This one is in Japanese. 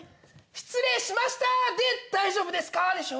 失礼しましたで大丈夫ですか？でしょ。